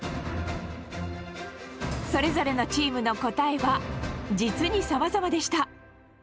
それぞれのチームの答えは実にさまざまでした。